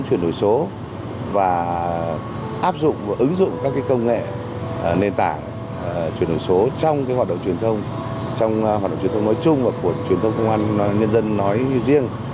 chuyển đổi số và áp dụng và ứng dụng các công nghệ nền tảng chuyển đổi số trong hoạt động truyền thông nói chung và của truyền thông công an nhân dân nói riêng